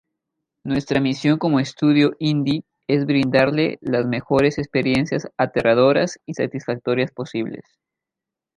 Nuestra misión como estudio indie es brindarle las mejores experiencias aterradoras y satisfactorias posibles.